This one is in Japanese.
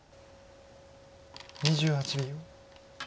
２８秒。